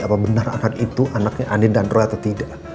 apa benar akan itu anaknya andi dan roy atau tidak